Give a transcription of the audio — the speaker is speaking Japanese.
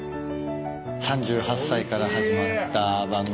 ３８歳から始まった番組がね